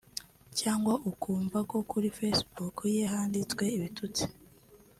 cyangwa akumva ko kuri facebook ye handitswe ibitutsi